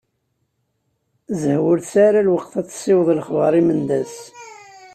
Zehwa ur tesɛi ara lweqt ad tessiweḍ lexbar i Mendas.